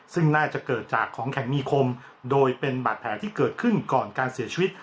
ซึ่งน่าจะเกิดจากของแข็งมีคมโดยเป็นบาดแผลที่เกิดขึ้นก่อนการเสียชีวิต